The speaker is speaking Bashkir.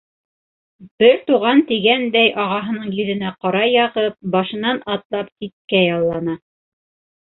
Бер туған тигәндәй ағаһының йөҙөнә ҡара яғып, башынан атлап ситкә яллана.